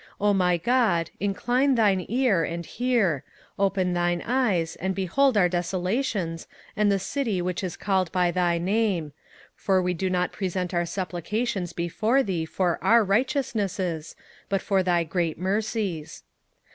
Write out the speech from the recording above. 27:009:018 O my God, incline thine ear, and hear; open thine eyes, and behold our desolations, and the city which is called by thy name: for we do not present our supplications before thee for our righteousnesses, but for thy great mercies.